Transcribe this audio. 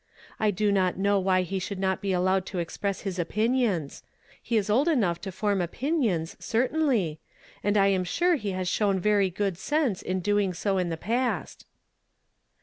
I do not know why he should not be allowed to ex press his opinions. He is old enough to form opinions, certainly ; and I am sure he has shown very good sense in doing so in the past."